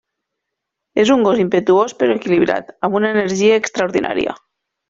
És un gos impetuós però equilibrat, amb una energia extraordinària.